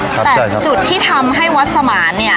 แต่จุดที่ทำให้วัดสมานเนี่ย